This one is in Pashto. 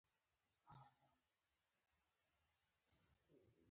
د هغو عمومي خواص څه شی دي؟